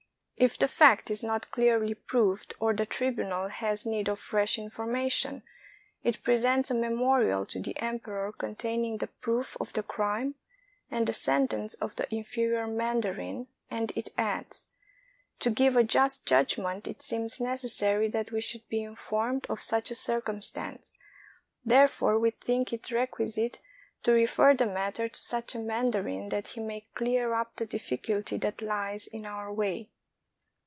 If the fact is not clearly proved or the tribunal has need of fresh information, it presents a memorial to the emperor containing the proof of the crime and the sentence of the inferior man darin, and it adds, "To give a just judgment it seems necessary that we should be informed of such a circum stance ; therefore we think it requisite to refer the matter to such a mandarin that he may clear up the difficulty that lies in our way."